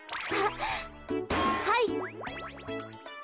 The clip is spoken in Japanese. はい。